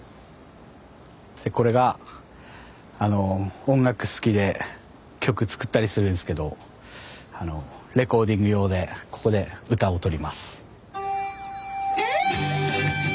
でこれが音楽好きで曲作ったりするんすけどあのレコーディング用でここで歌を録ります。